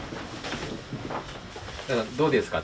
どうですか？